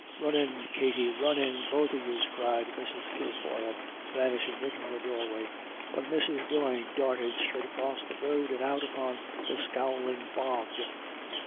" Run in, Katty, run in, both of yous 1 " cried Mrs. Kilfoyle, vanishing into her doorway. But Mrs. Doyne darted straight across the road, and out upon the scowling bog.